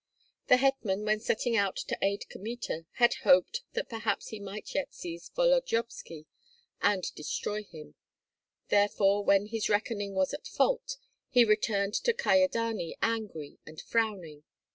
The hetman, when setting out to aid Kmita, had hope that perhaps he might yet seize Volodyovski and destroy him; therefore, when his reckoning was at fault, he returned to Kyedani angry and frowning.